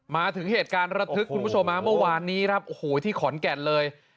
มาถึงเหตุการณ์ระทึกคุณผู้ชมฮะเมื่อวานนี้ครับโอ้โหที่ขอนแก่นเลย